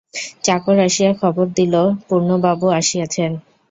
চাকর আসিয়া খবর দিল, পূর্ণবাবু আসিয়াছেন।